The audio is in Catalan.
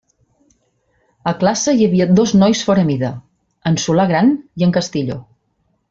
A classe hi havia dos nois fora mida: en Solà gran i en Castillo.